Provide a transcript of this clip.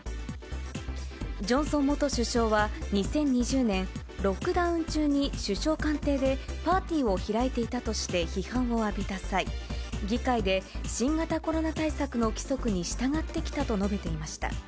ジョンソン元首相は２０２０年、ロックダウン中に首相官邸でパーティーを開いていたとして批判を浴びた際、議会で新型コロナ対策の規則に従ってきたと述べていました。